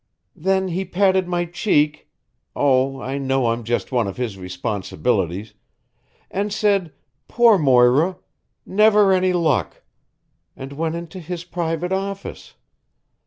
Then he patted my cheek oh, I know I'm just one of his responsibilities and said 'Poor Moira! Never any luck!' and went into his private office.